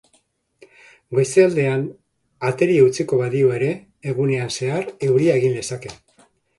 Goizaldean ateri eutsiko badio ere, egunean zehar euria egin lezake.